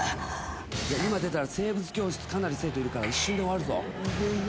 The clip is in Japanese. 今出たら生物教室かなり生徒いるから一瞬で終わるぞ。